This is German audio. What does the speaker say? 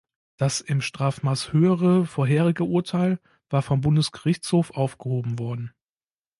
Das im Strafmaß höhere vorherige Urteil war vom Bundesgerichtshof aufgehoben worden.